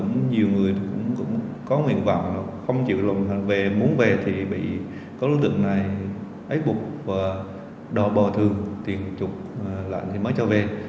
nhiều người cũng có nguyện vọng không chịu lòng về muốn về thì bị các đối tượng này ấy bục và đòi bò thường tiền chuộc lại mới cho về